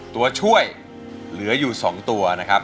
ตัวช่วยเหลืออยู่สองตัว